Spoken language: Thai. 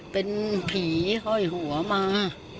เป็นผีห้อยหัวมา